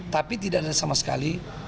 tapi tidak ada sama sekali